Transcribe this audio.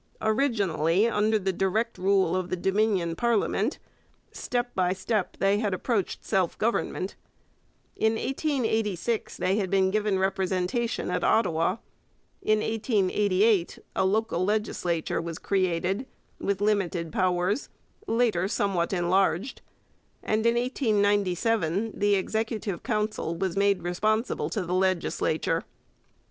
Originally under the direct rule of the Dominion parliament, step by step they had approached self government. In 1886 they had been given representation at Ottawa; in 1888 a local legislature was created, with limited powers, later somewhat enlarged; and in 1897 the Executive Council was made responsible to the legislature.